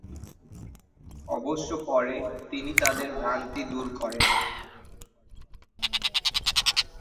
অবশ্য পরে, তিনি তাদের ভ্রান্তি দূর করেন।